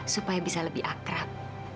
supaya bisa lebih akrab